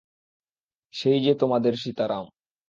সেই যে তোমাদের সীতারাম।